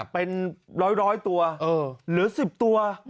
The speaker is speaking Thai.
เป็นร้อยตัวเหลือ๑๐ตัว